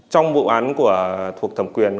trong vụ án thuộc thẩm quyền